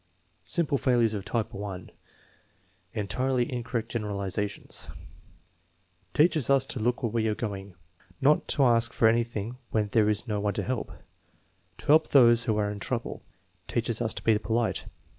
Sample failures of type (1), entirely incorrect generalizations: "Teaches us to look where we are going." "Not to ask for any thing when there is no one to help." "To help those who are in trouble." "Teaches us to be polite."